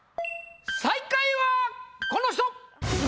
最下位はこの人！